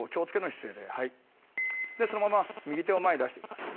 でそのまま右手を前に出して下さい。